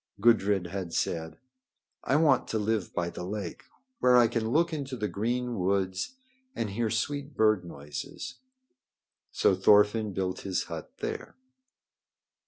Gudrid had said: "I want to live by the lake where I can look into the green woods and hear sweet bird noises." So Thorfinn built his hut there.